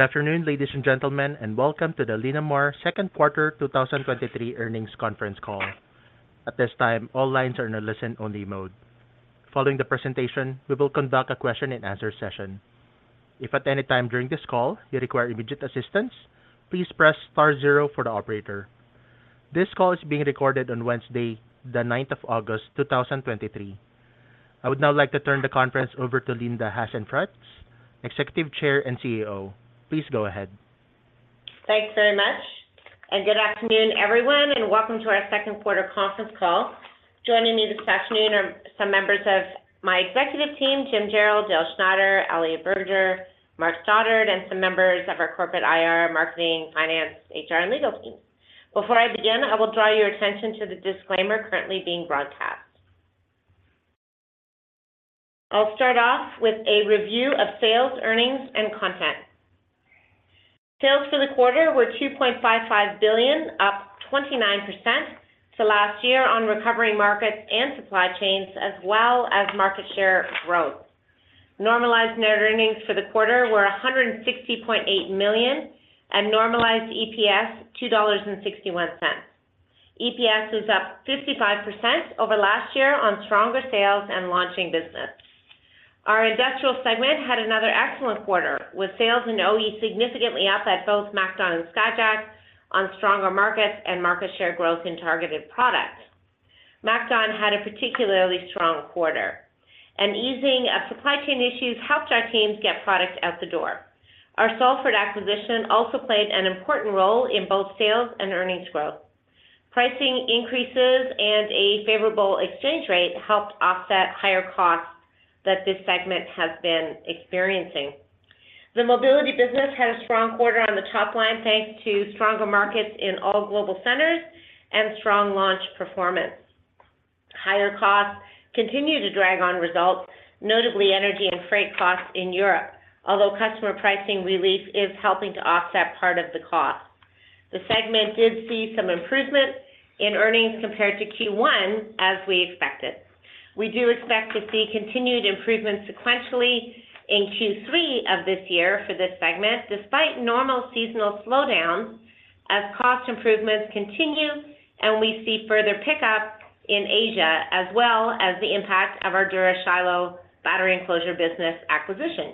Good afternoon, ladies and gentlemen, and welcome to the Linamar second quarter 2023 earnings conference call. At this time, all lines are in a listen-only mode. Following the presentation, we will conduct a question-and-answer session. If at any time during this call you require immediate assistance, please press star zero for the operator. This call is being recorded on Wednesday, the ninth of August, 2023. I would now like to turn the conference over to Linda Hasenfratz, Executive Chair and CEO. Please go ahead. Thanks very much. Good afternoon, everyone, and welcome to our second quarter conference call. Joining me this afternoon are some members of my executive team, Jim Jarrell, Dale Schneider, Elliot Burger, Mark Stoddart, and some members of our corporate IR, marketing, finance, HR, and legal team. Before I begin, I will draw your attention to the disclaimer currently being broadcast. I'll start off with a review of sales, earnings, and content. Sales for the quarter were 2.55 billion, up 29% to last year on recovering markets and supply chains, as well as market share growth. Normalized net earnings for the quarter were 160.8 million, and normalized EPS, 2.61 dollars. EPS is up 55% over last year on stronger sales and launching business. Our Industrial segment had another excellent quarter, with sales and OE significantly up at both MacDon and Skyjack on stronger markets and market share growth in targeted products. MacDon had a particularly strong quarter. An easing of supply chain issues helped our teams get product out the door. Our Salford acquisition also played an important role in both sales and earnings growth. Pricing increases and a favorable exchange rate helped offset higher costs that this segment has been experiencing. The Mobility business had a strong quarter on the top line, thanks to stronger markets in all global centers and strong launch performance. Higher costs continue to drag on results, notably energy and freight costs in Europe, although customer pricing relief is helping to offset part of the cost. The segment did see some improvement in earnings compared to Q1, as we expected. We do expect to see continued improvement sequentially in Q3 of this year for this segment, despite normal seasonal slowdowns as cost improvements continue and we see further pickup in Asia, as well as the impact of our Dura-Shiloh battery enclosure business acquisition.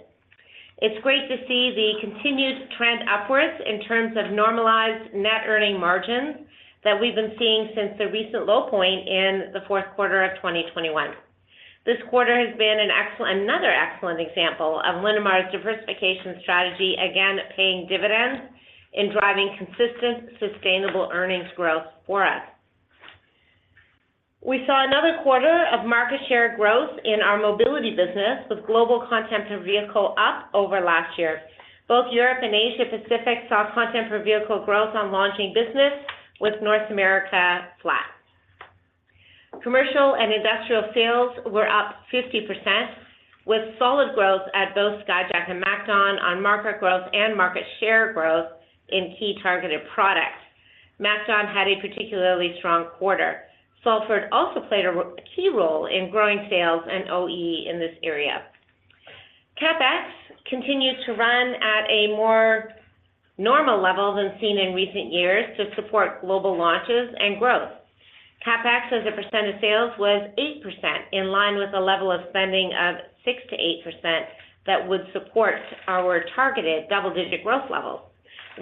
It's great to see the continued trend upwards in terms of normalized net earning margins that we've been seeing since the recent low point in the fourth quarter of 2021. This quarter has been another excellent example of Linamar's diversification strategy, again, paying dividends in driving consistent, sustainable earnings growth for us. We saw another quarter of market share growth in our Mobility business, with global content per vehicle up over last year. Both Europe and Asia Pacific saw content per vehicle growth on launching business with North America flat. Commercial and Industrial sales were up 50%, with solid growth at both Skyjack and MacDon on market growth and market share growth in key targeted products. MacDon had a particularly strong quarter. Salford also played a key role in growing sales and OE in this area. CapEx continues to run at a more normal level than seen in recent years to support global launches and growth. CapEx, as a percent of sales, was 8%, in line with a level of spending of 6%-8% that would support our targeted double-digit growth level.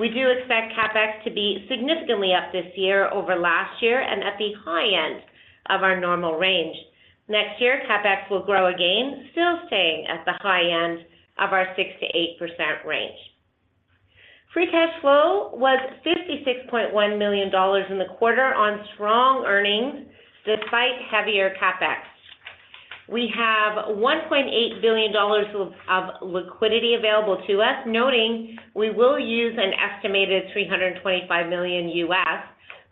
We do expect CapEx to be significantly up this year over last year and at the high end of our normal range. Next year, CapEx will grow again, still staying at the high end of our 6%-8% range. Free cash flow was 56.1 million dollars in the quarter on strong earnings despite heavier CapEx. We have 1.8 billion dollars of liquidity available to us, noting we will use an estimated $325 million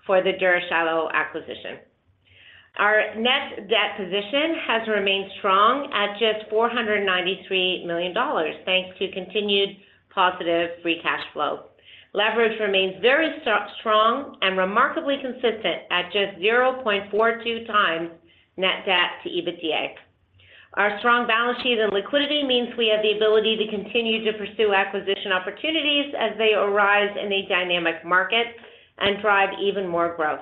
for the Dura-Shiloh acquisition. Our net debt position has remained strong at just 493 million dollars, thanks to continued positive free cash flow. Leverage remains very strong and remarkably consistent at just 0.42x net debt to EBITDA. Our strong balance sheet and liquidity means we have the ability to continue to pursue acquisition opportunities as they arise in a dynamic market and drive even more growth.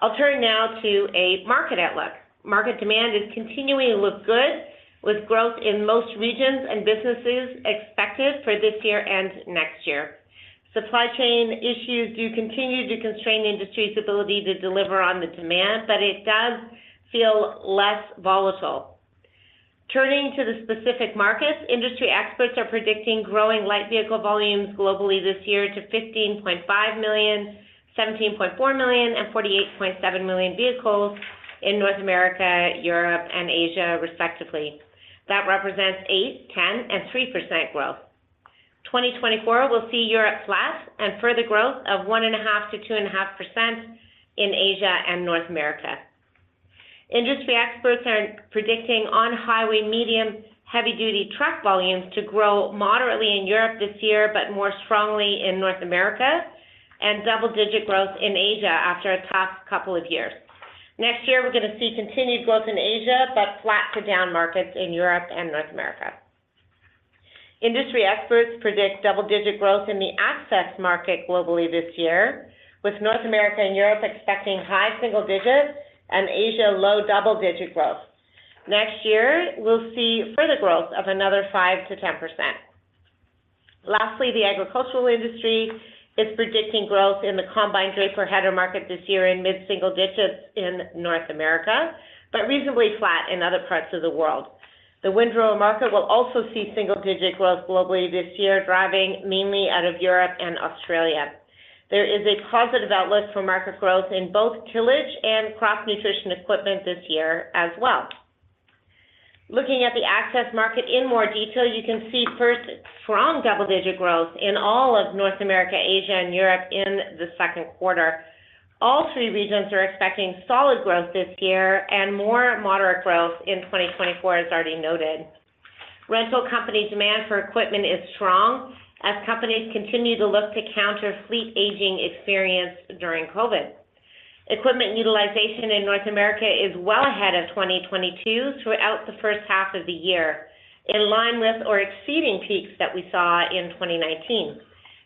I'll turn now to a market outlook. Market demand is continuing to look good, with growth in most regions and businesses expected for this year and next year. Supply chain issues do continue to constrain the industry's ability to deliver on the demand, but it does feel less volatile. Turning to the specific markets, industry experts are predicting growing light vehicle volumes globally this year to 15.5 million, 17.4 million, and 48.7 million vehicles in North America, Europe, and Asia, respectively. That represents 8%, 10%, and 3% growth. 2024 will see Europe flat and further growth of 1.5%-2.5% in Asia and North America. Industry experts are predicting on highway, medium, heavy-duty truck volumes to grow moderately in Europe this year, but more strongly in North America, and double-digit growth in Asia after a tough couple of years. Next year, we're going to see continued growth in Asia, but flat to down markets in Europe and North America. Industry experts predict double-digit growth in the access market globally this year, with North America and Europe expecting high single digits and Asia, low double-digit growth. Next year, we'll see further growth of another 5%-10%. Lastly, the agricultural industry is predicting growth in the combine draper header market this year in mid-single digits in North America, but reasonably flat in other parts of the world. The windrow market will also see single-digit growth globally this year, driving mainly out of Europe and Australia. There is a positive outlook for market growth in both tillage and crop nutrition equipment this year as well. Looking at the access market in more detail, you can see first, strong double-digit growth in all of North America, Asia, and Europe in the second quarter. All three regions are expecting solid growth this year and more moderate growth in 2024, as already noted. Rental company demand for equipment is strong as companies continue to look to counter fleet aging experienced during COVID. Equipment utilization in North America is well ahead of 2022 throughout the first half of the year, in line with or exceeding peaks that we saw in 2019. Also exceeding 2019 peaks.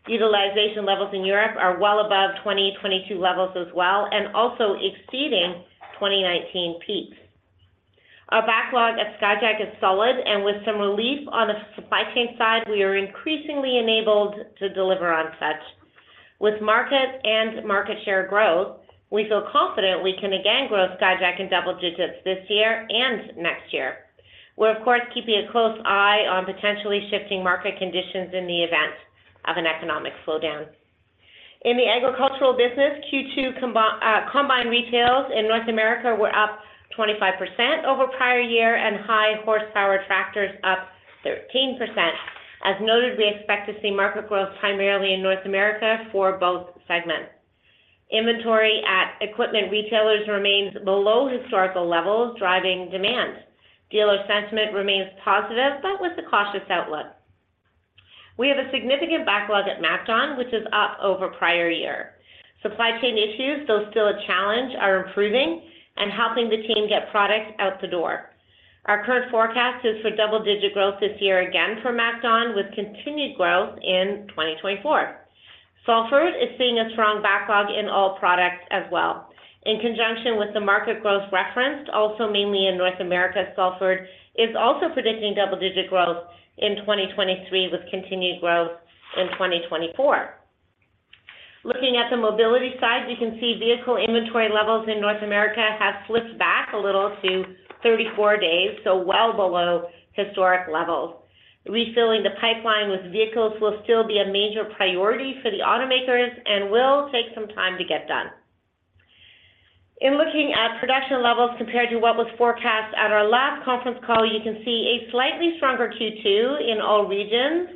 Utilization levels in Europe are well above 2022 levels as well. With some relief on the supply chain side, our backlog at Skyjack is solid, and we are increasingly enabled to deliver on such. With market and market share growth, we feel confident we can again grow Skyjack in double-digits this year and next year. We're, of course, keeping a close eye on potentially shifting market conditions in the event of an economic slowdown. In the agricultural business, Q2 combine retails in North America were up 25% over prior year, and high horsepower tractors up 13%. As noted, we expect to see market growth primarily in North America for both segments. Inventory at equipment retailers remains below historical levels, driving demand. Dealer sentiment remains positive, but with the cautious outlook. We have a significant backlog at MacDon, which is up over prior year. Supply chain issues, though still a challenge, are improving and helping the team get product out the door. Our current forecast is for double-digit growth this year, again for MacDon, with continued growth in 2024. Salford is seeing a strong backlog in all products as well. In conjunction with the market growth referenced, also mainly in North America, Salford is also predicting double-digit growth in 2023, with continued growth in 2024. Looking at the Mobility side, you can see vehicle inventory levels in North America have slipped back a little to 34 days, so well below historic levels. Refilling the pipeline with vehicles will still be a major priority for the automakers and will take some time to get done. In looking at production levels compared to what was forecast at our last conference call, you can see a slightly stronger Q2 in all regions,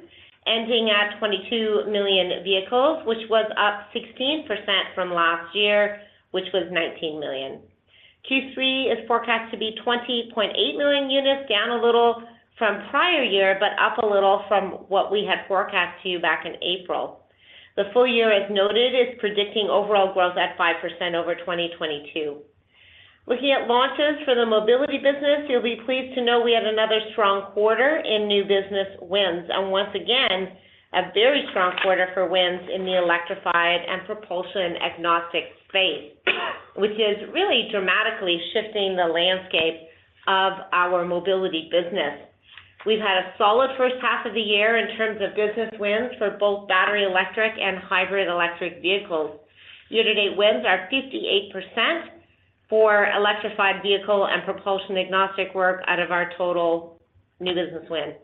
ending at 22 million vehicles, which was up 16% from last year, which was 19 million. Q3 is forecast to be 20.8 million units, down a little from prior year, but up a little from what we had forecast to you back in April. The full year, as noted, is predicting overall growth at 5% over 2022. Looking at launches for the Mobility business, you'll be pleased to know we had another strong quarter in new business wins, and once again, a very strong quarter for wins in the electrified and propulsion agnostic space, which is really dramatically shifting the landscape of our Mobility business. We've had a solid first half of the year in terms of business wins for both battery electric and hybrid electric vehicles. Year-to-date wins are 58% for electrified vehicle and propulsion agnostic work out of our total new business wins.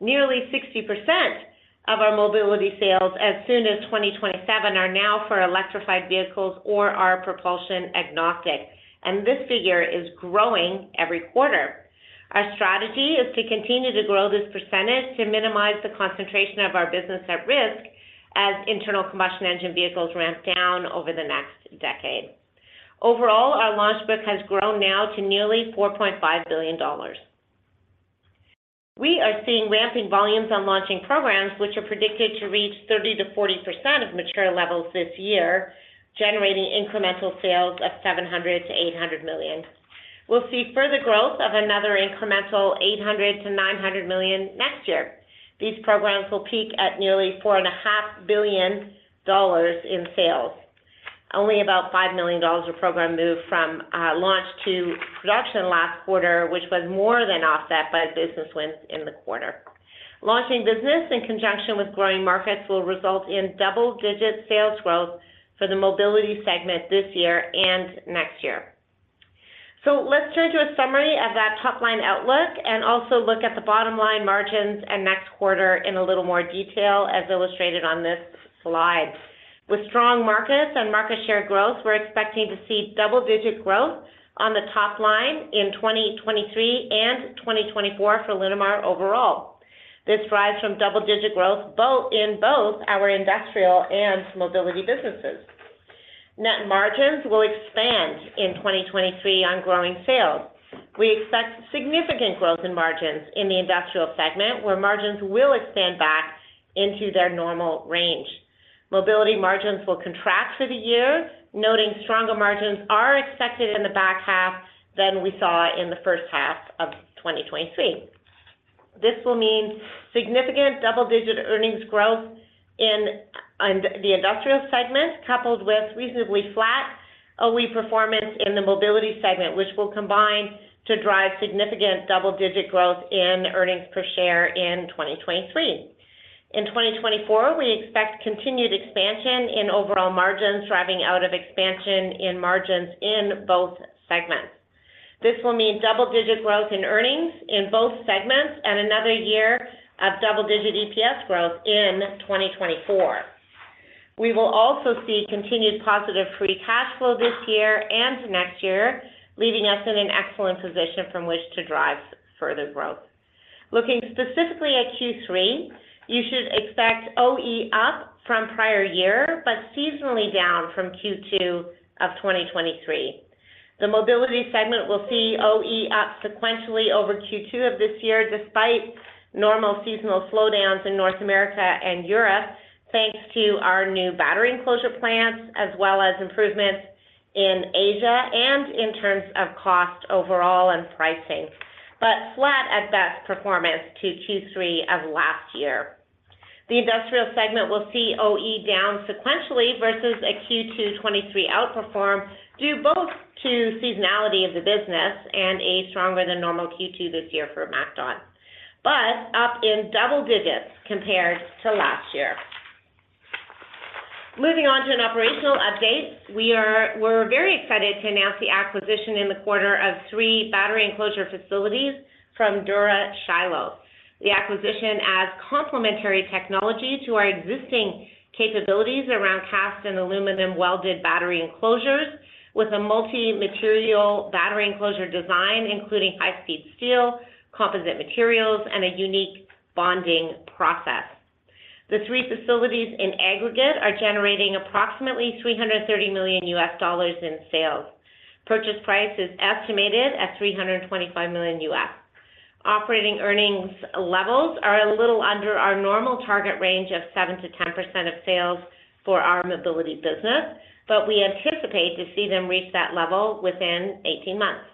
Nearly 60% of our Mobility sales as soon as 2027 are now for electrified vehicles or are propulsion agnostic, and this figure is growing every quarter. Our strategy is to continue to grow this percentage to minimize the concentration of our business at risk as internal combustion engine vehicles ramp down over the next decade. Overall, our launch book has grown now to nearly $4.5 billion. We are seeing ramping volumes on launching programs which are predicted to reach 30%-40% of mature levels this year, generating incremental sales of $700 million-$800 million. We'll see further growth of another incremental $800 million-$900 million next year. These programs will peak at nearly $4.5 billion in sales. Only about $5 million a program moved from launch to production last quarter, which was more than offset by business wins in the quarter. Launching business in conjunction with growing markets will result in double-digit sales growth for the Mobility segment this year and next year. Let's turn to a summary of that top-line outlook and also look at the bottom line margins and next quarter in a little more detail as illustrated on this slide. With strong markets and market share growth, we're expecting to see double-digit growth on the top line in 2023 and 2024 for Linamar overall. This drives from double-digit growth both in both our industrial and Mobility businesses. Net margins will expand in 2023 on growing sales. We expect significant growth in margins in the Industrial segment, where margins will expand back into their normal range. Mobility margins will contract for the year, noting stronger margins are expected in the back half than we saw in the first half of 2023. This will mean significant double-digit earnings growth in the Industrial segment, coupled with reasonably flat OE performance in the Mobility segment, which will combine to drive significant double-digit growth in earnings per share in 2023. In 2024, we expect continued expansion in overall margins, driving out of expansion in margins in both segments. This will mean double-digit growth in earnings in both segments and another year of double-digit EPS growth in 2024. We will also see continued positive free cash flow this year and next year, leaving us in an excellent position from which to drive further growth. Looking specifically at Q3, you should expect OE up from prior year, but seasonally down from Q2 of 2023. The Mobility segment will see OE up sequentially over Q2 of this year, despite normal seasonal slowdowns in North America and Europe, thanks to our new battery enclosure plants, as well as improvements in Asia and in terms of cost overall and pricing, flat at best performance to Q3 of last year. The Industrial segment will see OE down sequentially versus a Q2 2023 outperform, due both to seasonality of the business and a stronger than normal Q2 this year for MacDon, up in double digits compared to last year. Moving on to an operational update, we're very excited to announce the acquisition in the quarter of three battery enclosure facilities from Dura-Shiloh. The acquisition adds complementary technology to our existing capabilities around cast and aluminum welded battery enclosures with a multi-material battery enclosure design, including high-speed steel, composite materials, and a unique bonding process. The three facilities in aggregate are generating approximately $330 million in sales. Purchase price is estimated at $325 million. Operating earnings levels are a little under our normal target range of 7%-10% of sales for our Mobility business. We anticipate to see them reach that level within 18 months.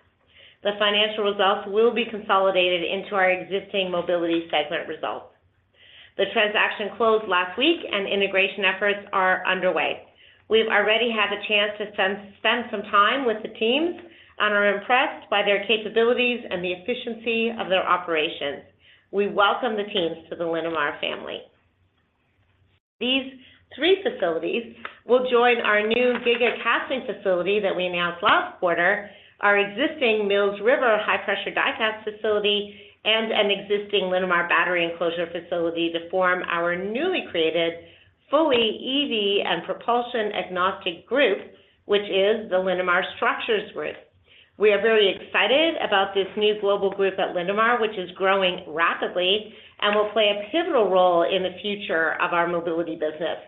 The financial results will be consolidated into our existing Mobility segment results. The transaction closed last week and integration efforts are underway. We've already had the chance to spend some time with the teams and are impressed by their capabilities and the efficiency of their operations. We welcome the teams to the Linamar family. These three facilities will join our new Giga Casting facility that we announced last quarter, our existing Mills River high-pressure die cast facility, and an existing Linamar battery enclosure facility to form our newly created, fully EV and propulsion agnostic group, which is the Linamar Structures Group. We are very excited about this new global group at Linamar, which is growing rapidly and will play a pivotal role in the future of our Mobility business.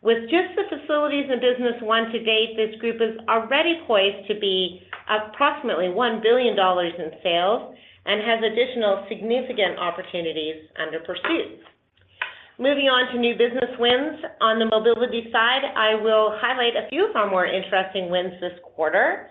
With just the facilities and business won to date, this group is already poised to be approximately $1 billion in sales and has additional significant opportunities under pursuit. Moving on to new business wins. On the Mobility side, I will highlight a few of our more interesting wins this quarter.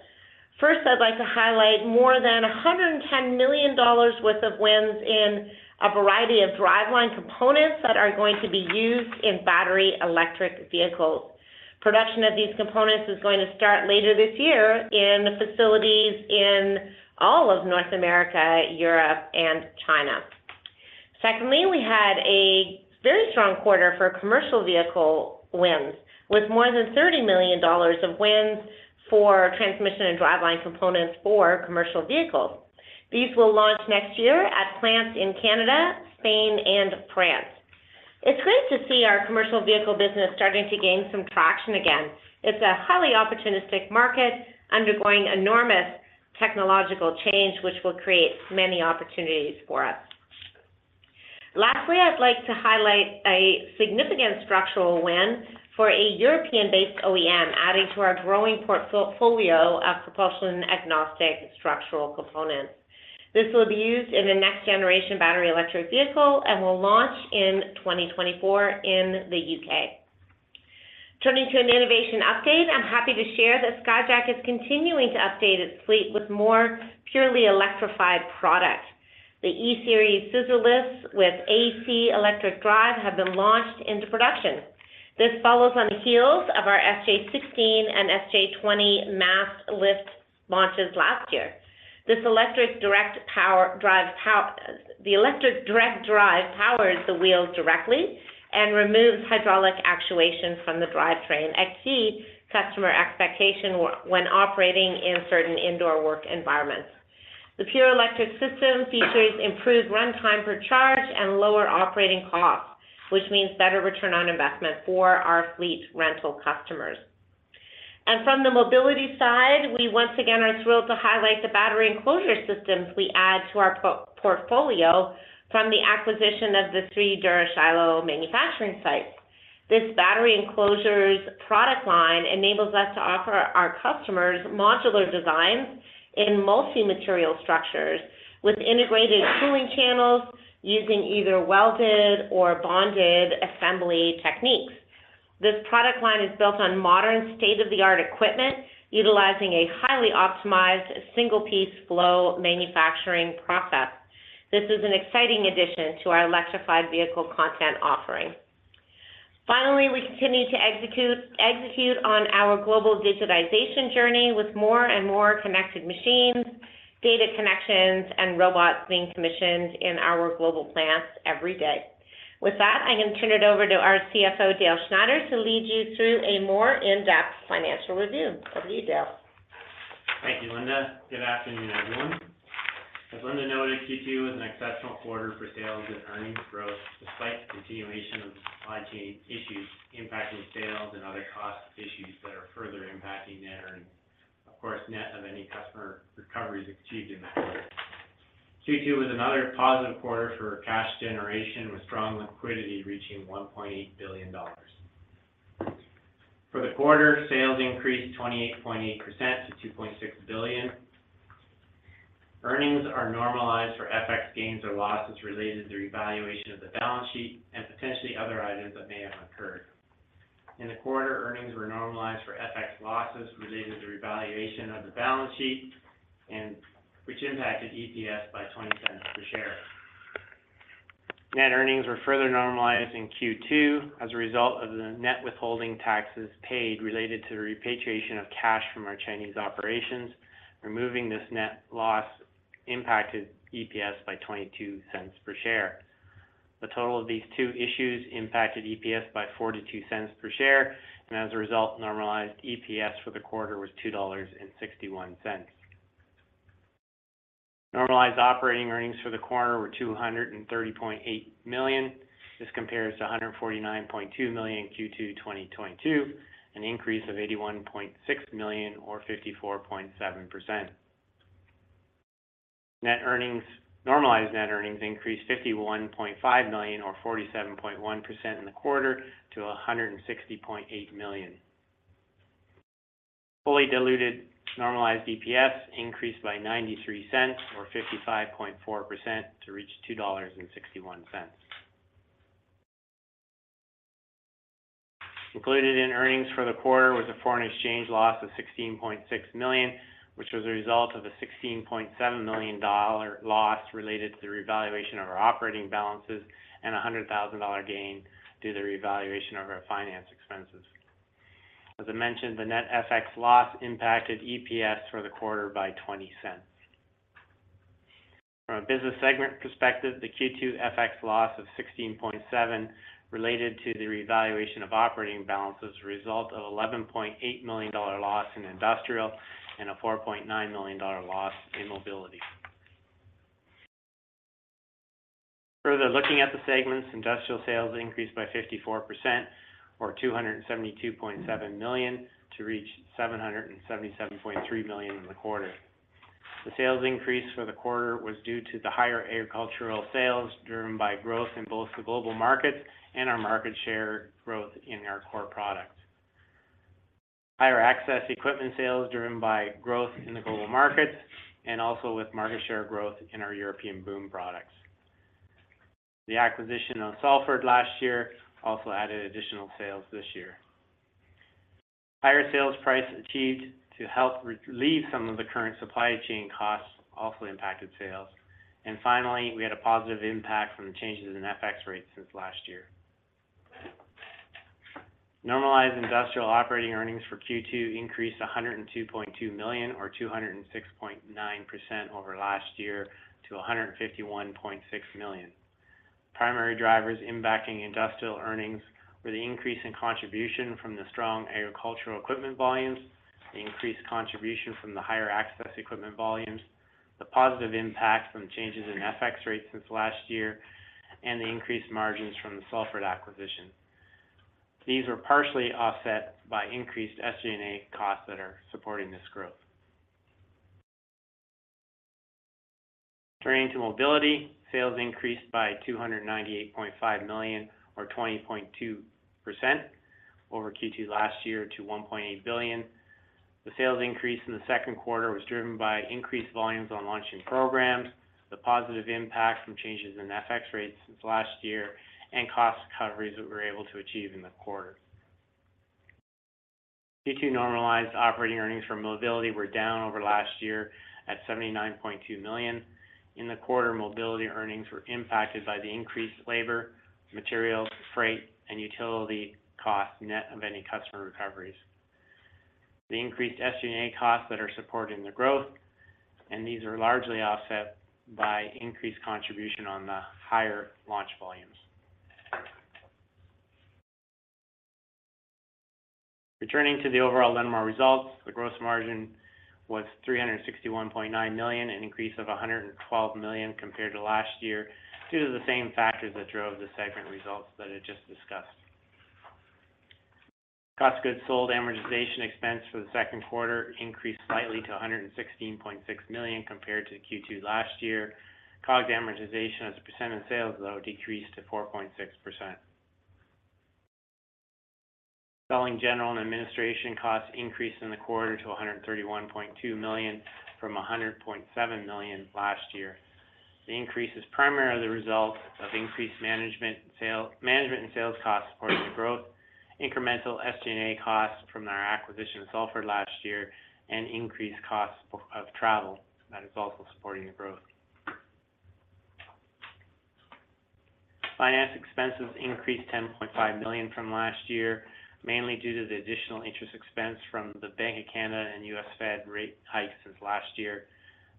First, I'd like to highlight more than 110 million dollars worth of wins in a variety of driveline components that are going to be used in Battery Electric Vehicles. Production of these components is going to start later this year in the facilities in all of North America, Europe, and China. Secondly, we had a very strong quarter for Commercial Vehicle wins, with more than 30 million dollars of wins for transmission and driveline components for Commercial Vehicles. These will launch next year at plants in Canada, Spain, and France. It's great to see our Commercial Vehicle business starting to gain some traction again. It's a highly opportunistic market undergoing enormous technological change, which will create many opportunities for us. Lastly, I'd like to highlight a significant structural win for a European-based OEM, adding to our growing portfolio of propulsion agnostic structural components. This will be used in the next generation Battery Electric Vehicle and will launch in 2024 in the U.K.. Turning to an innovation update, I'm happy to share that Skyjack is continuing to update its fleet with more purely electrified product. The E-series scissor lifts with AC electric drive have been launched into production. This follows on the heels of our SJ16 and SJ20 mast lift launches last year. The electric direct drive powers the wheels directly and removes hydraulic actuation from the drivetrain, a key customer expectation when operating in certain indoor work environments. The pure electric system features improved runtime per charge and lower operating costs, which means better return on investment for our fleet rental customers. From the Mobility side, we once again are thrilled to highlight the battery enclosure systems we add to our portfolio from the acquisition of the three Dura-Shiloh manufacturing sites. This battery enclosures product line enables us to offer our customers modular designs in multi-material structures, with integrated cooling channels using either welded or bonded assembly techniques. This product line is built on modern state-of-the-art equipment, utilizing a highly optimized single-piece flow manufacturing process. This is an exciting addition to our electrified vehicle content offering. Finally, we continue to execute on our global digitization journey with more and more connected machines, data connections, and robots being commissioned in our global plants every day. With that, I can turn it over to our CFO, Dale Schneider, to lead you through a more in-depth financial review. Over to you, Dale. Thank you, Linda. Good afternoon, everyone. As Linda noted, Q2 was an exceptional quarter for sales and earnings growth, despite the continuation of supply chain issues impacting sales and other cost issues that are further impacting net earnings, of course, net of any customer recoveries achieved in the quarter. Q2 was another positive quarter for cash generation, with strong liquidity reaching 1.8 billion dollars. For the quarter, sales increased 28.8% to 2.6 billion. Earnings are normalized for FX gains or losses related to the revaluation of the balance sheet and potentially other items that may have occurred. In the quarter, earnings were normalized for FX losses related to revaluation of the balance sheet, and which impacted EPS by 0.20 per share. Net earnings were further normalized in Q2 as a result of the net withholding taxes paid related to the repatriation of cash from our Chinese operations. Removing this net loss impacted EPS by 0.22 per share. The total of these two issues impacted EPS by 0.42 per share, as a result, normalized EPS for the quarter was CAD 2.61. Normalized operating earnings for the quarter were CAD 230.8 million. This compares to CAD 149.2 million in Q2 2022, an increase of CAD 81.6 million or 54.7%. Normalized net earnings increased 51.5 million or 47.1% in the quarter to 160.8 million. Fully diluted normalized EPS increased by 0.93 or 55.4% to reach 2.61 dollars. Included in earnings for the quarter was a foreign exchange loss of 16.6 million, which was a result of a 16.7 million dollar loss related to the revaluation of our operating balances and a 100,000 dollar gain due to the revaluation of our finance expenses. As I mentioned, the net FX loss impacted EPS for the quarter by 0.20. From a business segment perspective, the Q2 FX loss of 16.7, related to the revaluation of operating balances, result of a 11.8 million dollar loss in industrial and a 4.9 million dollar loss in Mobility. Further looking at the segments, industrial sales increased by 54% or 272.7 million to reach 777.3 million in the quarter. The sales increase for the quarter was due to the higher agricultural sales, driven by growth in both the global markets and our market share growth in our core products. Higher access equipment sales, driven by growth in the global markets and also with market share growth in our European Boom products. The acquisition of Salford last year also added additional sales this year. Higher sales price achieved to help relieve some of the current supply chain costs also impacted sales. Finally, we had a positive impact from the changes in FX rates since last year. Normalized industrial operating earnings for Q2 increased 102.2 million or 206.9% over last year to 151.6 million. Primary drivers impacting industrial earnings were the increase in contribution from the strong agricultural equipment volumes, the increased contribution from the higher access equipment volumes, the positive impact from changes in FX rates since last year, and the increased margins from the Salford acquisition. Partially offset by increased SG&A costs that are supporting this growth. Turning to Mobility, sales increased by $298.5 million or 20.2% over Q2 last year to $1.8 billion. The sales increase in the second quarter was driven by increased volumes on launching programs, the positive impact from changes in FX rates since last year, and cost recoveries that we were able to achieve in the quarter. Q2 normalized operating earnings from Mobility were down over last year at $79.2 million. In the quarter, Mobility earnings were impacted by the increased labor, materials, freight, and utility costs, net of any customer recoveries. SG&A costs that are supporting the growth, these are largely offset by increased contribution on the higher launch volumes. Returning to the overall Linamar results, the gross margin was 361.9 million, an increase of 112 million compared to last year, due to the same factors that drove the segment results that I just discussed. Cost of goods sold amortization expense for the second quarter increased slightly to 116.6 million compared to Q2 last year. COG amortization as a percent of sales, though, decreased to 4.6%. Selling, General and Administration costs increased in the quarter to 131.2 million from 100.7 million last year. The increase is primarily the result of increased management and sales costs supporting the growth, incremental SG&A costs from our acquisition of Salford last year, and increased costs of travel that is also supporting the growth. Finance expenses increased 10.5 million from last year, mainly due to the additional interest expense from the Bank of Canada and US Fed rate hikes since last year.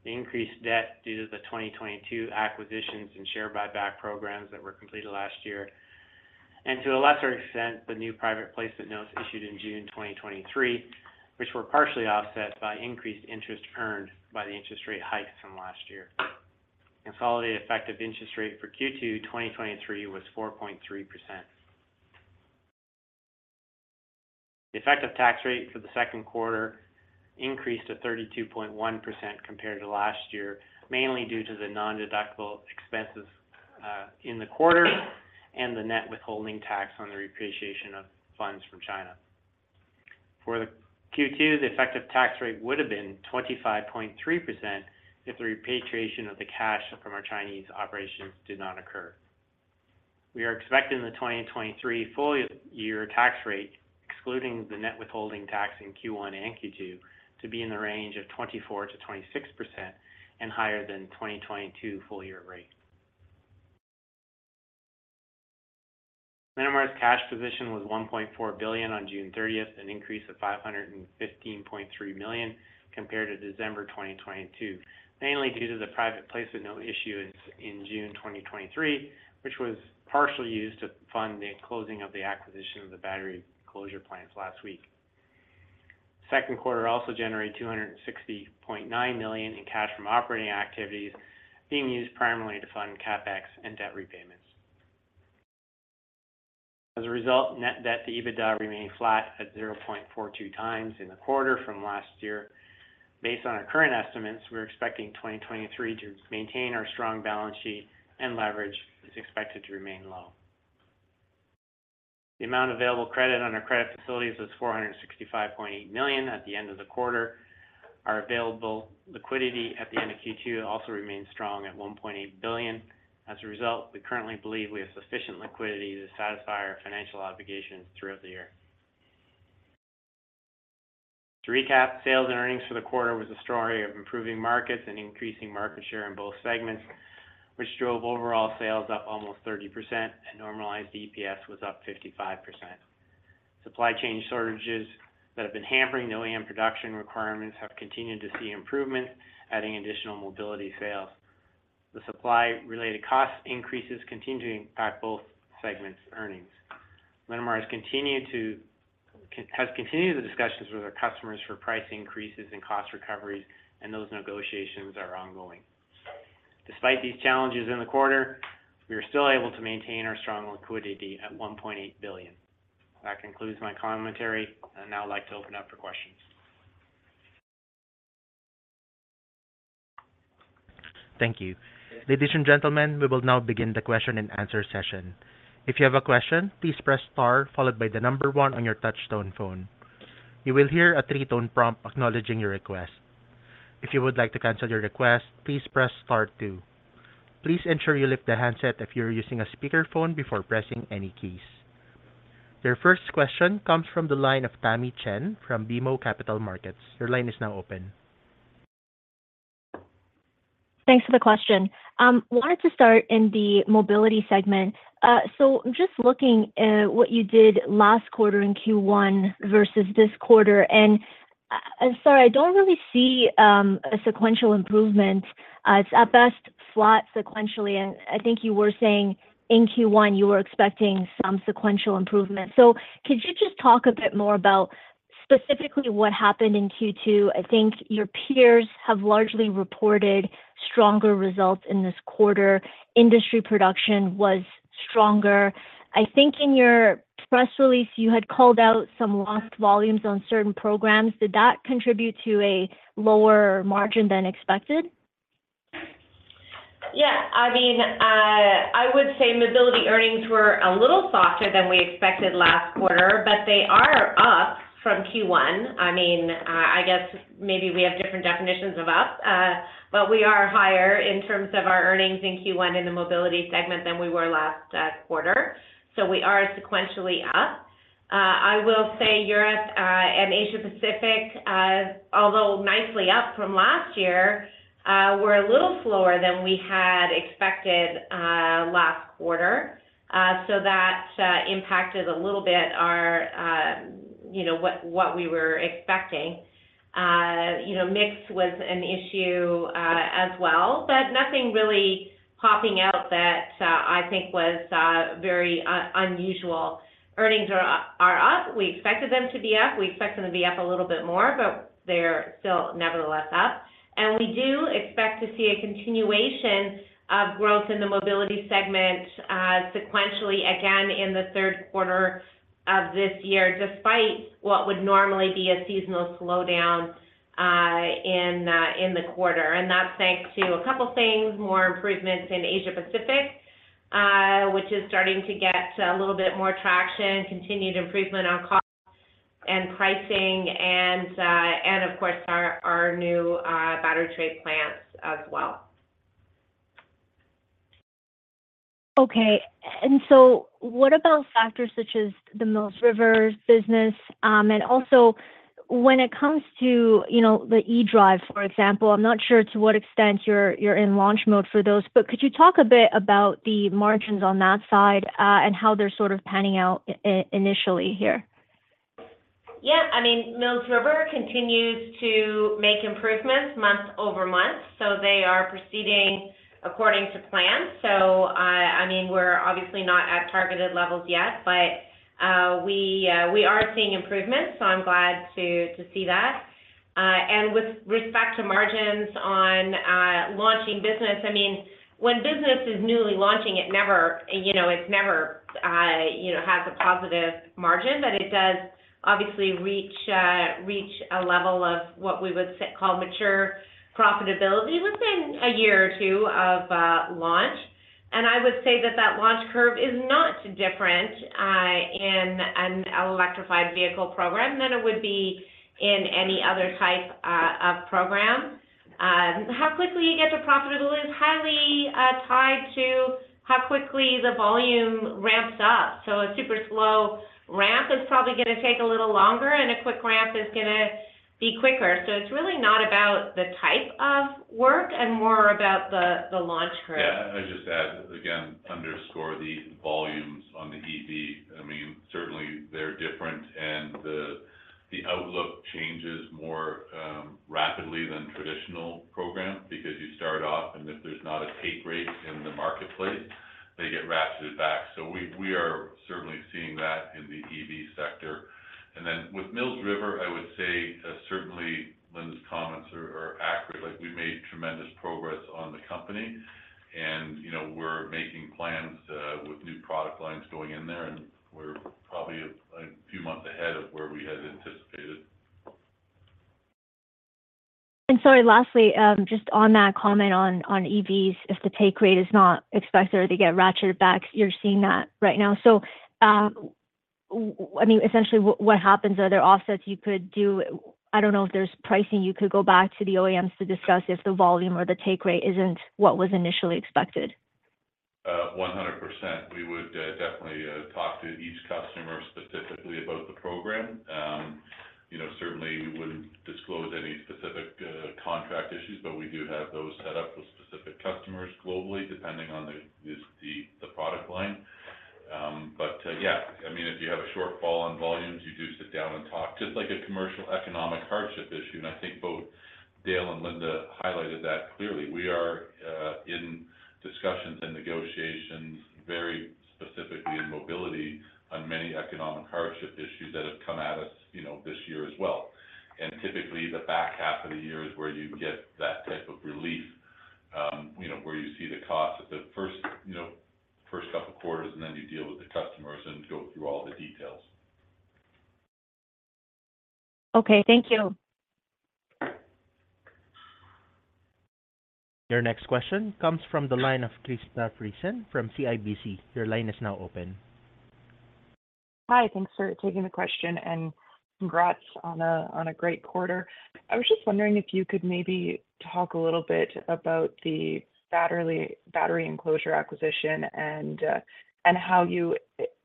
The increased debt due to the 2022 acquisitions and share buyback programs that were completed last year, and to a lesser extent, the new private placement notes issued in June 2023, which were partially offset by increased interest earned by the interest rate hikes from last year. Consolidated effective interest rate for Q2 2023 was 4.3%. The effective tax rate for the second quarter increased to 32.1% compared to last year, mainly due to the nondeductible expenses in the quarter and the net withholding tax on the repatriation of funds from China. For the Q2, the effective tax rate would have been 25.3% if the repatriation of the cash from our Chinese operations did not occur. We are expecting the 2023 full year tax rate, excluding the net withholding tax in Q1 and Q2, to be in the range of 24%-26% and higher than 2022 full year rate. Linamar's cash position was 1.4 billion on June 30th, an increase of 515.3 million compared to December 2022, mainly due to the private placement note issuance in June 2023, which was partially used to fund the closing of the acquisition of the battery enclosure plants last week. Second quarter also generated 260.9 million in cash from operating activities, being used primarily to fund CapEx and debt repayments. As a result, net debt to EBITDA remained flat at 0.42x in the quarter from last year. Based on our current estimates, we're expecting 2023 to maintain our strong balance sheet and leverage is expected to remain low. The amount of available credit on our credit facilities was 465.8 million at the end of the quarter. Our available liquidity at the end of Q2 also remains strong at $1.8 billion. We currently believe we have sufficient liquidity to satisfy our financial obligations throughout the year. To recap, sales and earnings for the quarter was a story of improving markets and increasing market share in both segments, which drove overall sales up almost 30%, and normalized EPS was up 55%. Supply chain shortages that have been hampering the OEM production requirements have continued to see improvement, adding additional Mobility sales. The supply-related cost increases continue to impact both segments' earnings. Linamar has continued the discussions with our customers for price increases and cost recoveries. Those negotiations are ongoing. Despite these challenges in the quarter, we are still able to maintain our strong liquidity at $1.8 billion. That concludes my commentary. I'd now like to open up for questions. Thank you. Ladies and gentlemen, we will now begin the question-and-answer session. If you have a question, please press star followed by one on your touchtone phone. You will hear a three-tone prompt acknowledging your request. If you would like to cancel your request, please press star two. Please ensure you lift the handset if you're using a speakerphone before pressing any keys. Your first question comes from the line of Tamy Chen from BMO Capital Markets. Your line is now open. Thanks for the question. Wanted to start in the Mobility segment. Just looking at what you did last quarter in Q1 versus this quarter, and sorry, I don't really see a sequential improvement. It's at best flat sequentially, and I think you were saying in Q1 you were expecting some sequential improvement. Could you just talk a bit more about specifically what happened in Q2? I think your peers have largely reported stronger results in this quarter. Industry production was stronger. I think in your press release, you had called out some lost volumes on certain programs. Did that contribute to a lower margin than expected? Yeah, I mean, I would say Mobility earnings were a little softer than we expected last quarter, but they are up from Q1. I mean, I guess maybe we have different definitions of up, but we are higher in terms of our earnings in Q1 in the Mobility segment than we were last quarter. We are sequentially up. I will say Europe and Asia Pacific, although nicely up from last year, were a little slower than we had expected last quarter. That impacted a little bit our, you know, what, what we were expecting. You know, mix was an issue as well, but nothing really popping out that I think was very unusual. Earnings are up, are up. We expected them to be up. We expect them to be up a little bit more, but they're still nevertheless up. We do expect to see a continuation of growth in the Mobility segment sequentially again in the third quarter of this year, despite what would normally be a seasonal slowdown in the quarter. That's thanks to a couple of things, more improvements in Asia Pacific, which is starting to get a little bit more traction, continued improvement on cost and pricing, and of course, our new battery tray plants as well. What about factors such as the Mills River business? And also when it comes to, you know, the E-Drive, for example, I'm not sure to what extent you're, you're in launch mode for those, but could you talk a bit about the margins on that side, and how they're sort of panning out initially here? Yeah, I mean, Mills River continues to make improvements month-over-month, so they are proceeding according to plan. I mean, we're obviously not at targeted levels yet, but we are seeing improvements, so I'm glad to, to see that. With respect to margins on launching business, I mean, when business is newly launching, it never, you know, it's never, you know, has a positive margin, but it does obviously reach a level of what we would say, call mature profitability within a year or two of launch. I would say that that launch curve is not different in an electrified vehicle program than it would be in any other type of program. How quickly you get to profitable is highly tied to how quickly the volume ramps up. A super slow ramp is probably gonna take a little longer, and a quick ramp is gonna be quicker. It's really not about the type of work and more about the, the launch curve. I just add, again, underscore the volumes on the EV. I mean, certainly they're different, and the outlook changes more rapidly than traditional programs because you start off, and if there's not a take rate in the marketplace, they get ratcheted back. We, we are certainly seeing that in the EV sector. With Mills River, I would say, certainly Linda's comments are accurate. Like, we made tremendous progress on the company and, you know, we're making plans with new product lines going in there, and we're probably a few months ahead of where we had anticipated. Sorry, lastly, just on that comment on EVs, if the take rate is not expected or they get ratcheted back, you're seeing that right now. I mean, essentially, what happens? Are there offsets you could do? I don't know if there's pricing, you could go back to the OEMs to discuss if the volume or the take rate isn't what was initially expected. 100%, we would definitely talk to each customer specifically about the program. You know, certainly we wouldn't disclose any specific contract issues, but we do have those set up with specific customers globally, depending on the, the, the, the product line. Yeah, I mean, if you have a shortfall on volumes, you do sit down and talk, just like a commercial economic hardship issue, and I think both Dale and Linda highlighted that clearly. We are in discussions and negotiations, very specifically in Mobility, on many economic hardship issues that have come at us, you know, this year as well. Typically, the back half of the year is where you get that type of relief, you know, where you see the cost of the first, you know, first couple quarters, and then you deal with the customers and go through all the details. Okay, thank you. Your next question comes from the line of Krista Friesen from CIBC. Your line is now open. Hi, thanks for taking the question, and congrats on a great quarter. I was just wondering if you could maybe talk a little bit about the battery enclosure acquisition and how you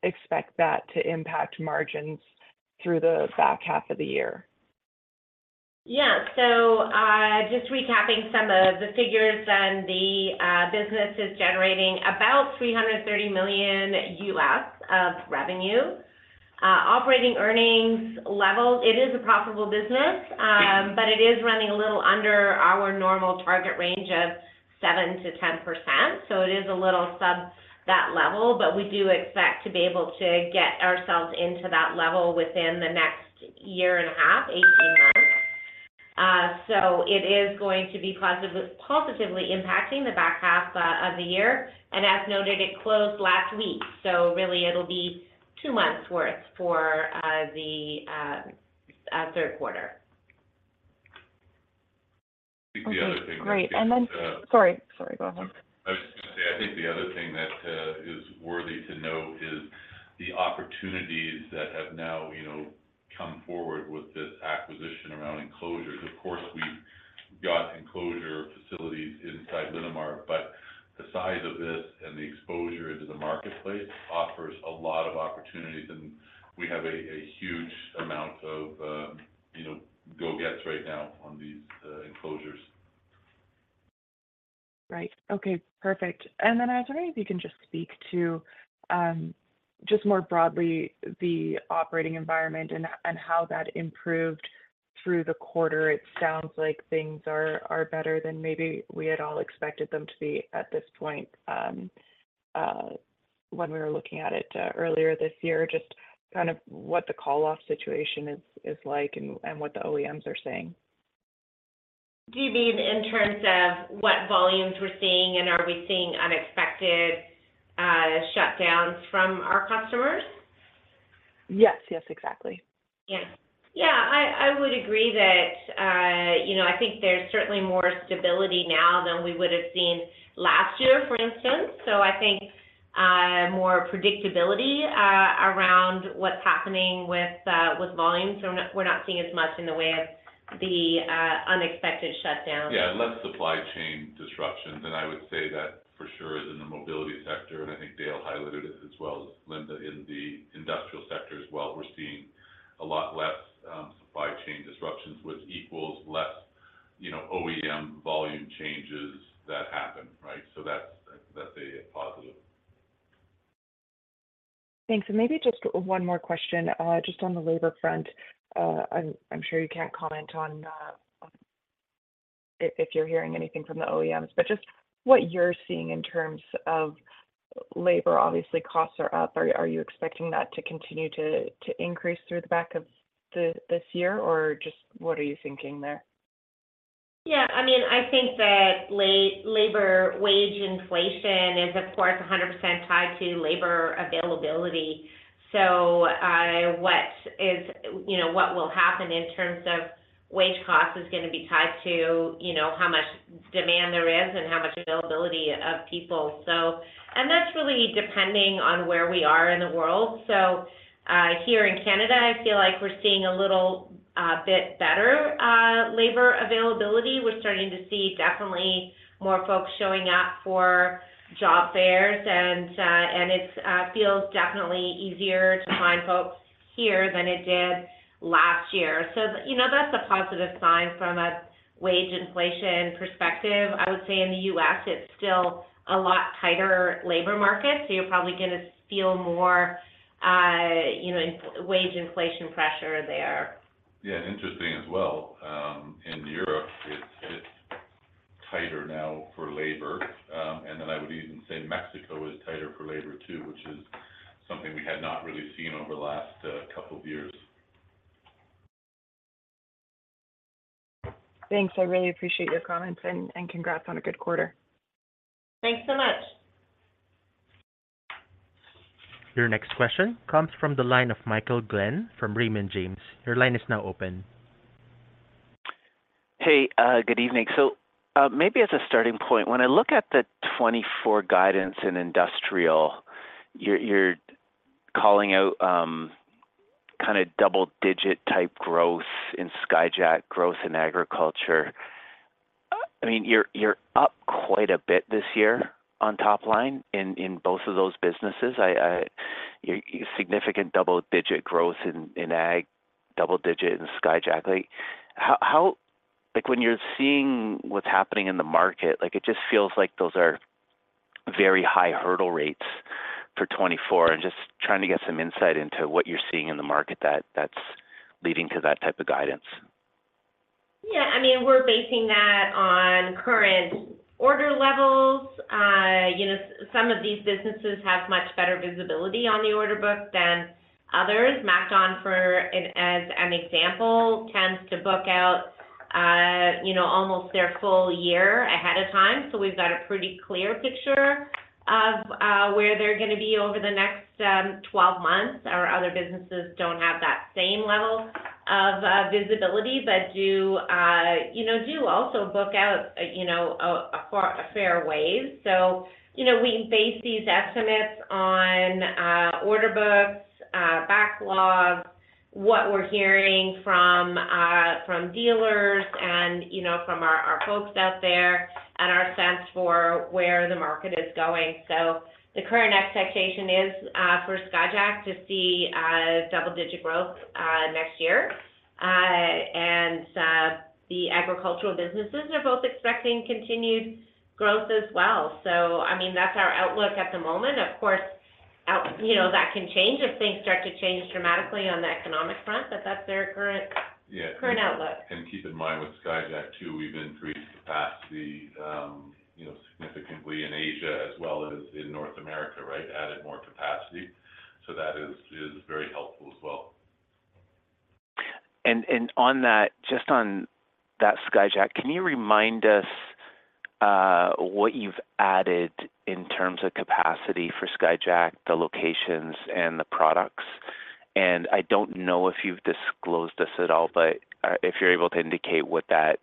expect that to impact margins through the back half of the year. Yeah. Just recapping some of the figures, the business is generating about $330 million of revenue. Operating earnings level, it is a profitable business, but it is running a little under our normal target range of 7%-10%, so it is a little sub that level, but we do expect to be able to get ourselves into that level within the next year and a half, 18 months. It is going to be positively impacting the back half of the year. As noted, it closed last week, really it'll be two months worth for the third quarter. Okay, great. The other thing. Then, sorry, sorry, go ahead. I was just gonna say, I think the other thing that is worthy to note is the opportunities that have now, you know, come forward with this acquisition around enclosures. Of course, we've got enclosure facilities inside Linamar, but the size of this and the exposure into the marketplace offers a lot of opportunities, and we have a, a huge amount of, you know, go-gets right now on these enclosures. Right. Okay, perfect. Then, I was wondering if you can just speak to, just more broadly, the operating environment and, and how that improved through the quarter. It sounds like things are, are better than maybe we had all expected them to be at this point, when we were looking at it, earlier this year. Just kind of what the call-off situation is, is like and, and what the OEMs are saying. Do you mean in terms of what volumes we're seeing, and are we seeing unexpected shutdowns from our customers? Yes. Yes, exactly. Yeah. Yeah, I, I would agree that, you know, I think there's certainly more stability now than we would have seen last year, for instance. I think, more predictability, around what's happening with, with volumes, so we're not, we're not seeing as much in the way of the, unexpected shutdowns. Yeah, less supply chain disruptions. I would say that for sure is in the Mobility sector, and I think Dale highlighted it as well as Linda in the Industrial sector as well. We're seeing a lot less supply chain disruptions, which equals less, you know, OEM volume changes that happen, right? That's, that's a positive. Thanks. Maybe just one more question, just on the labor front. I'm sure you can't comment on if you're hearing anything from the OEMs, but just what you're seeing in terms of labor. Obviously, costs are up. Are you expecting that to continue to increase through the back of this year, or just what are you thinking there? Yeah, I mean, I think that labor wage inflation is, of course, 100% tied to labor availability. What will happen in terms of wage costs is gonna be tied to, you know, how much demand there is and how much availability of people. That's really depending on where we are in the world. Here in Canada, I feel like we're seeing a little bit better labor availability. We're starting to see definitely more folks showing up for job fairs, and it's feels definitely easier to find folks here than it did last year. You know, that's a positive sign from a wage inflation perspective. I would say in the U.S., it's still a lot tighter labor market, so you're probably gonna feel more, you know, wage inflation pressure there. Yeah, interesting as well, in Europe, it's, it's tighter now for labor, and then I would even say Mexico is tighter for labor, too, which is something we had not really seen over the last couple of years. Thanks. I really appreciate your comments and congrats on a good quarter. Thanks so much. Your next question comes from the line of Michael Glen from Raymond James. Your line is now open. Hey, good evening. Maybe as a starting point, when I look at the 2024 guidance in Industrial, you're, you're calling out, kinda double-digit type growth in Skyjack, growth in agriculture. I mean, you're, you're up quite a bit this year on top line in, in both of those businesses. Significant double-digit growth in, in ag, double-digit in Skyjack. Like, how, Like, when you're seeing what's happening in the market, like, it just feels like those are very high hurdle rates for 2024. I'm just trying to get some insight into what you're seeing in the market that, that's leading to that type of guidance. Yeah, I mean, we're basing that on current order levels. You know, some of these businesses have much better visibility on the order book than others. MacDon, for, as an example, tends to book out, you know, almost their full year ahead of time. We've got a pretty clear picture of where they're gonna be over the next 12 months. Our other businesses don't have that same level of visibility, but do, you know, do also book out, you know, a, a far, a fair ways. You know, we base these estimates on order books, backlogs, what we're hearing from from dealers and, you know, from our, our folks out there, and our sense for where the market is going. The current expectation is for Skyjack to see double-digit growth next year. The agricultural businesses are both expecting continued growth as well. I mean, that's our outlook at the moment. Of course, you know, that can change if things start to change dramatically on the economic front, but that's their current. Yeah Current outlook. Keep in mind, with Skyjack, too, we've increased capacity, you know, significantly in Asia as well as in North America, right? Added more capacity. That is, is very helpful as well. On that, just on that Skyjack, can you remind us what you've added in terms of capacity for Skyjack, the locations and the products? I don't know if you've disclosed this at all, but if you're able to indicate what that,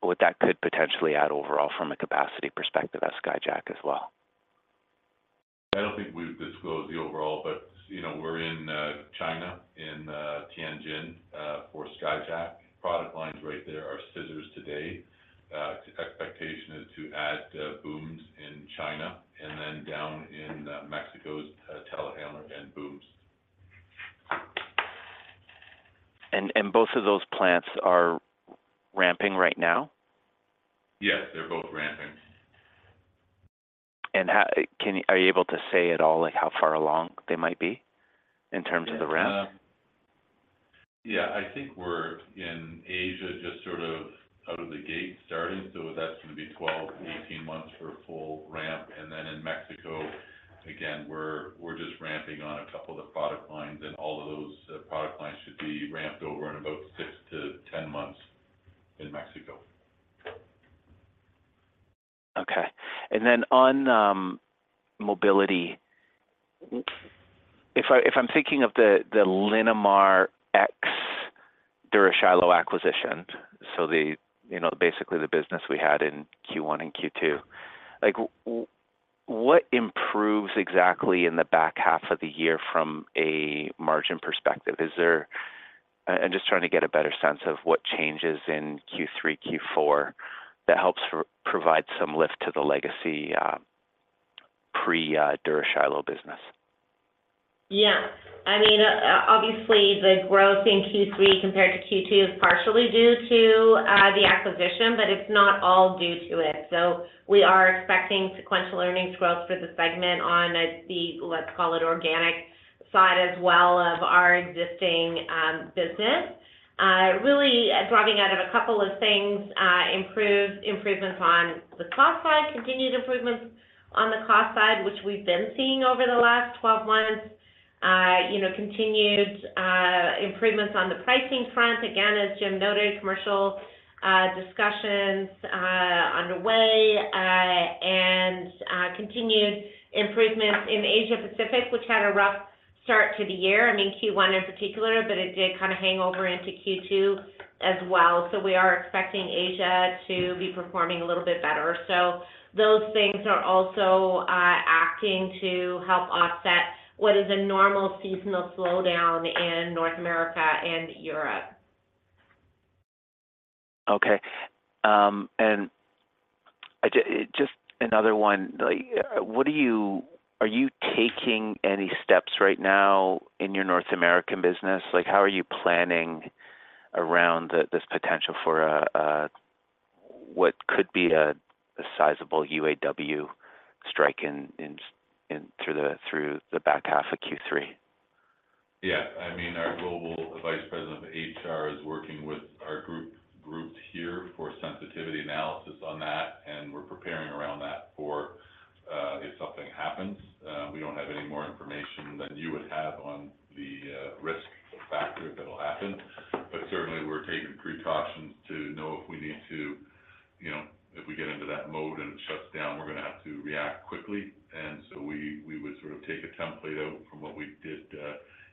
what that could potentially add overall from a capacity perspective at Skyjack as well. I don't think we've disclosed the overall, but, you know, we're in China, in Tianjin, for Skyjack. Product lines right there are scissors today. Expectation is to add booms in China, and then down in Mexico's telehandler and booms. Both of those plants are ramping right now? Yes, they're both ramping. How, are you able to say at all, like, how far along they might be in terms of the ramp? Yeah, I think we're in Asia, just sort of out of the gate starting. That's going to be 12-18 months for a full ramp. Then in Mexico, again, we're just ramping on a couple of the product lines, and all of those product lines should be ramped over in about six to 10 months in Mexico. Okay. Then on Mobility, if I, if I'm thinking of the Linamar X Dura-Shiloh acquisition, so the, you know, basically the business we had in Q1 and Q2, like, what improves exactly in the back half of the year from a margin perspective? I'm just trying to get a better sense of what changes in Q3, Q4 that helps provide some lift to the legacy pre Dura-Shiloh business. Yeah. I mean, obviously, the growth in Q3 compared to Q2 is partially due to the acquisition, but it's not all due to it. We are expecting sequential earnings growth for the segment on the, let's call it, organic side as well of our existing business. Really, driving out of a couple of things, improved, improvements on the cost side, continued improvements on the cost side, which we've been seeing over the last 12 months. You know, continued improvements on the pricing front. Again, as Jim noted, commercial discussions on the way, and continued improvements in Asia Pacific, which had a rough start to the year, I mean, Q1 in particular, but it did kind of hang over into Q2 as well. We are expecting Asia to be performing a little bit better. Those things are also, acting to help offset what is a normal seasonal slowdown in North America and Europe. Okay, just another one, like, Are you taking any steps right now in your North American business? Like, how are you planning around the, this potential for a, a, what could be a, a sizable UAW strike in, in, in, through the, through the back half of Q3? Yeah. I mean, our Global Vice President of HR is working with our groups here for sensitivity analysis on that, and we're preparing around that for if something happens. We don't have any more information than you would have on the risk factor that will happen, but certainly, we're taking precautions to know if we need to. You know, if we get into that mode and it shuts down, we're gonna have to react quickly. We would sort of take a template out from what we did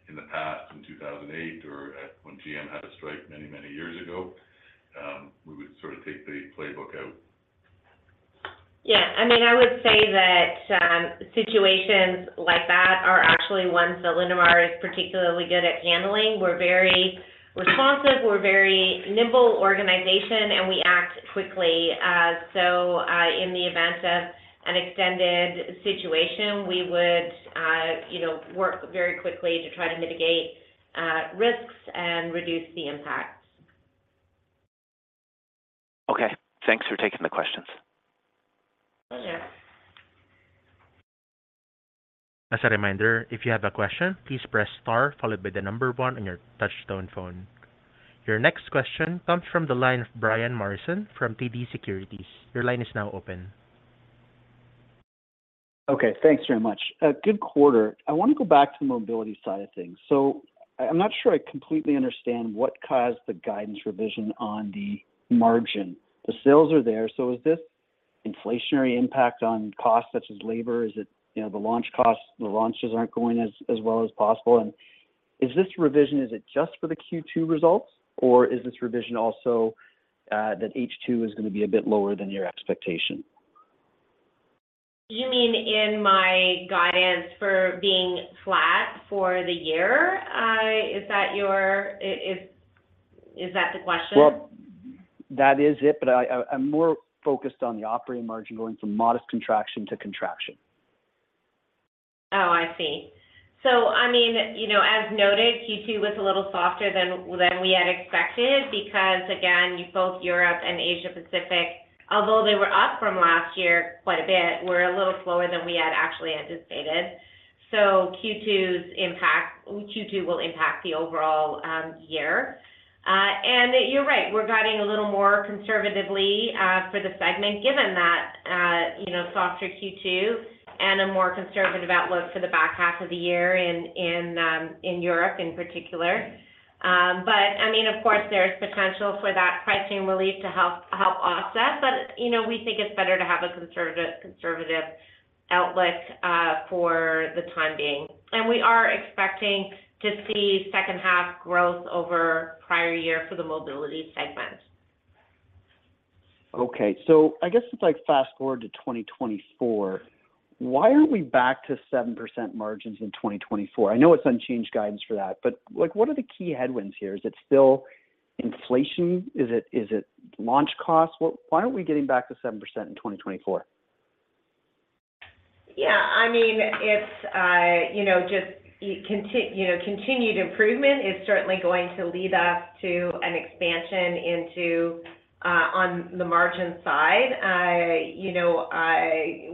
in the past in 2008 or at when GM had a strike many, many years ago. We would sort of take the playbook out. Yeah, I mean, I would say that, situations like that are actually ones that Linamar is particularly good at handling. We're very responsive, we're a very nimble organization, and we act quickly. In the event of an extended situation, we would, you know, work very quickly to try to mitigate risks and reduce the impacts. Okay. Thanks for taking the questions. Pleasure. As a reminder, if you have a question, please press star, followed by the number one on your touchtone phone. Your next question comes from the line of Brian Morrison from TD Securities. Your line is now open. Okay, thanks very much. A good quarter. I want to go back to the Mobility side of things. I, I'm not sure I completely understand what caused the guidance revision on the margin. The sales are there, is this inflationary impact on costs, such as labor? Is it, you know, the launch costs, the launches aren't going as, as well as possible? Is this revision, is it just for the Q2 results, or is this revision also that H2 is going to be a bit lower than your expectation? You mean in my guidance for being flat for the year? Is that the question? That is it, but I'm more focused on the operating margin going from modest contraction to contraction. I see. I mean, you know, as noted, Q2 was a little softer than, than we had expected, because again, both Europe and Asia Pacific, although they were up from last year quite a bit, were a little slower than we had actually anticipated. Q2's impact, Q2 will impact the overall year. And you're right, we're guiding a little more conservatively for the segment, given that, you know, softer Q2 and a more conservative outlook for the back half of the year in, in Europe in particular. I mean, of course, there's potential for that pricing relief to help, help offset. You know, we think it's better to have a conservative, conservative outlook for the time being. We are expecting to see second half growth over prior year for the Mobility segment. I guess it's like fast forward to 2024, why aren't we back to 7% margins in 2024? I know it's unchanged guidance for that, but, like, what are the key headwinds here? Is it still inflation? Is it, is it launch costs? Why aren't we getting back to 7% in 2024? Yeah, I mean, if, you know, just, you know, continued improvement is certainly going to lead us to an expansion into, on the margin side. You know,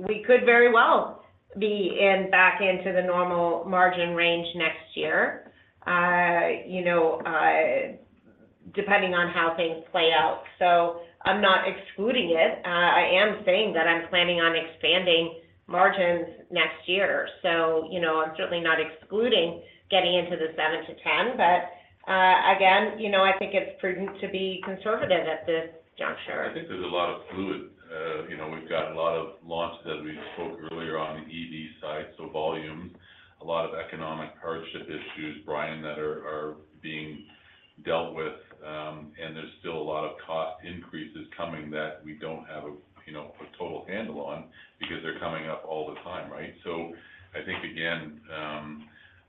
we could very well be in back into the normal margin range next year, you know, depending on how things play out. I'm not excluding it. I am saying that I'm planning on expanding margins next year. You know, I'm certainly not excluding getting into the 7-10, again, you know, I think it's prudent to be conservative at this juncture. I think there's a lot of fluid. You know, we've got a lot of launches that we spoke earlier on the EV side, so volume, a lot of economic hardship issues, Brian, that are being dealt with, and there's still a lot of cost increases coming that we don't have a, you know, a total handle on because they're coming up all the time, right? I think, again,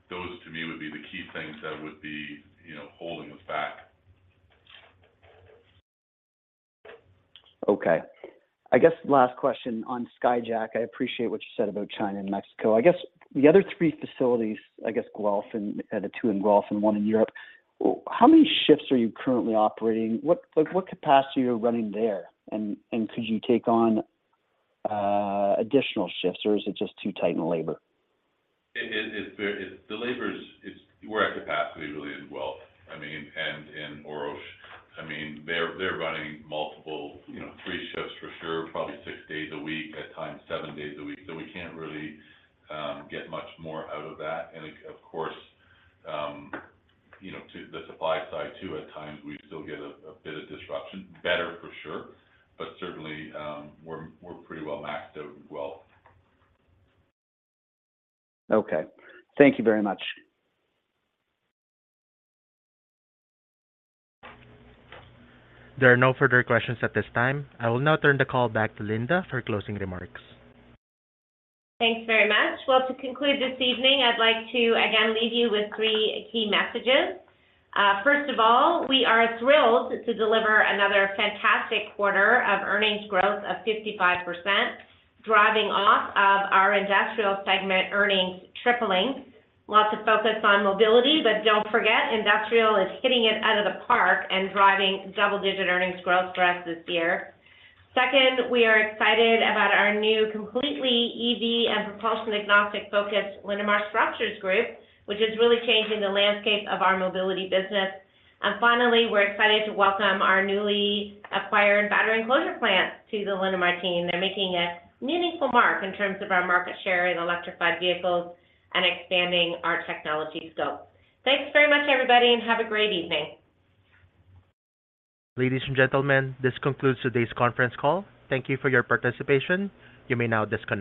those to me would be the key things that would be, you know, holding us back. Okay. I guess last question on Skyjack. I appreciate what you said about China and Mexico. I guess the other three facilities, I guess, Guelph and, the two in Guelph and one in Europe, how many shifts are you currently operating? What, like, what capacity are you running there? And could you take on additional shifts or is it just too tight in the labor? It's the labor is we're at capacity, really, in Guelph, I mean, and in [Europe]. I mean, they're running multiple, you know, three shifts for sure, probably six days a week, at times, seven days a week. We can't really get much more out of that. Of course, you know, to the supply side, too, at times, we still get a bit of disruption. Better for sure, but certainly, we're pretty well maxed out in Guelph. Okay. Thank you very much. There are no further questions at this time. I will now turn the call back to Linda for closing remarks. Thanks very much. Well, to conclude this evening, I'd like to again leave you with three key messages. First of all, we are thrilled to deliver another fantastic quarter of earnings growth of 55%, driving off of our Industrial segment earnings tripling. Lots of focus on Mobility, but don't forget, Industrial is hitting it out of the park and driving double-digit earnings growth for us this year. Second, we are excited about our new completely EV and propulsion-agnostic focused Linamar Structures Group, which is really changing the landscape of our Mobility business. And finally, we're excited to welcome our newly acquired battery enclosure plants to the Linamar team. They're making a meaningful mark in terms of our market share in electrified vehicles and expanding our technology scope. Thanks very much, everybody, and have a great evening. Ladies and gentlemen, this concludes today's conference call. Thank you for your participation. You may now disconnect.